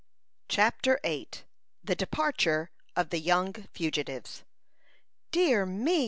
CHAPTER VIII. THE DEPARTURE OF THE YOUNG FUGITIVES. "Dear me!"